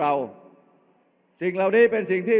เอาข้างหลังลงซ้าย